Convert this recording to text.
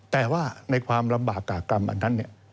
แต่ว่าในความลำบากกากกรรมอันนั้น